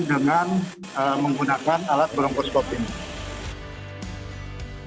dengan menggunakan alat berumput klop ini